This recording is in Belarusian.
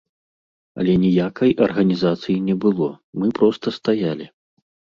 Але ніякай арганізацыі не было, мы проста стаялі.